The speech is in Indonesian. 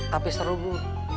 tapi seru bu